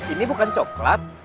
ini bukan coklat